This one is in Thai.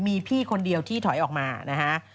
มีพี่คนเดียวที่ถอยออกมานะฮะ